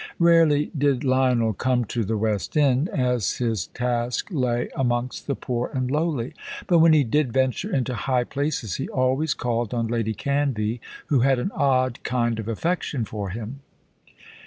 Rarely did Lionel come to the West End, as his task lay amongst the poor and lowly; but when he did venture into high places he always called on Lady Canvey, who had an odd kind of affection for him.